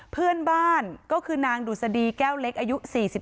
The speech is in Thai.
เพื่อนบ้านก็คือนางดุษฎีแก้วเล็กอายุ๔๒